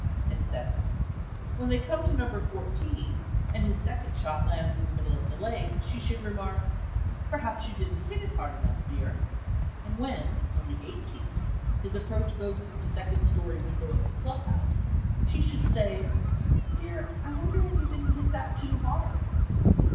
et cetera. When they come to number fourteen, and his second shot lands in the middle of the lake, she should remark, "Perhaps you didn't hit it hard enough, dear." And when, on the eighteenth, his approach goes through the second story window of the club house, she should say, "Dear, I wonder if you didn't hit that too hard?"